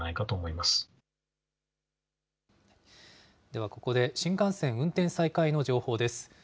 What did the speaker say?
では、ここで新幹線運転再開の情報です。